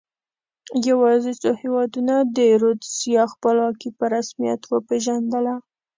یوازې څو هېوادونو د رودزیا خپلواکي په رسمیت وپېژندله.